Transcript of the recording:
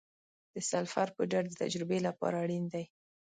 د سلفر پوډر د تجربې لپاره اړین دی.